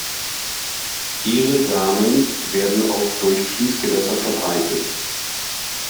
Ihre Samen werden auch durch Fließgewässer verbreitet.